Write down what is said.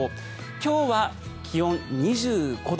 今日は気温、２５度。